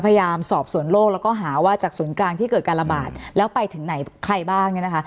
พยายามสอบสวนโลกแล้วก็หาว่าจากศูนย์กลางที่เกิดการระบาดแล้วไปถึงไหนใครบ้างเนี่ยนะคะ